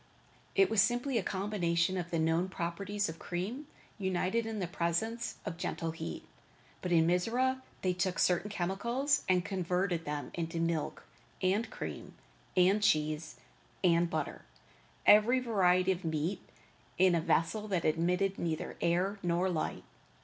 It was simply a combination of the known properties of cream united in the presence of gentle heat. But in Mizora they took certain chemicals and converted them into milk, and cream, and cheese, and butter, and every variety of meat, in a vessel that admitted neither air nor light.